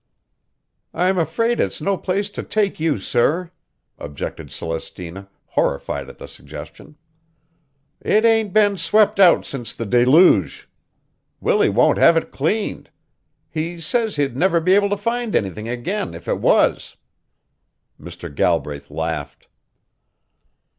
"I'm afraid it's no place to take you, sir," objected Celestina, horrified at the suggestion. "It ain't been swept out since the deluge. Willie won't have it cleaned. He says he'd never be able to find anything again if it was." Mr. Galbraith laughed.